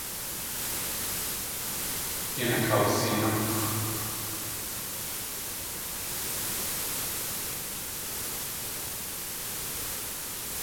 Yan akawsinúk.